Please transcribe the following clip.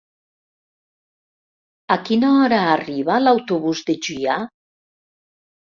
A quina hora arriba l'autobús de Juià?